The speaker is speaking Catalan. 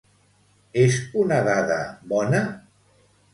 És una dada bona?